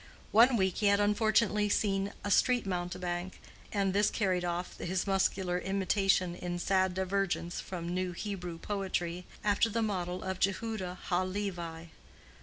One week he had unfortunately seen a street mountebank, and this carried off his muscular imitativeness in sad divergence from New Hebrew poetry, after the model of Jehuda ha Levi.